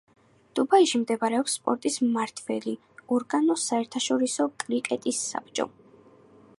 დუბაიში მდებარეობს სპორტის მმართველი ორგანო საერთაშორისო კრიკეტის საბჭო.